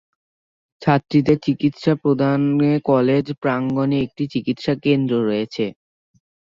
ছাত্রীদের চিকিৎসা প্রদানে কলেজ প্রাঙ্গনে একটি চিকিৎসা কেন্দ্র রয়েছে।